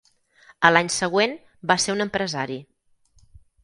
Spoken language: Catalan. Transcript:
A l'any següent, va ser un empresari.